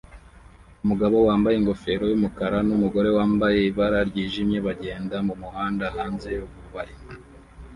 Umugabo wambaye ingofero yumukara numugore wambaye ibara ryijimye bagenda mumuhanda hanze yumubari